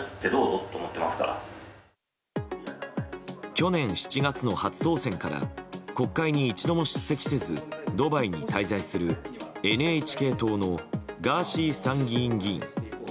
去年７月の初当選から国会に一度も出席せずドバイに滞在するＮＨＫ党のガーシー参議院議員。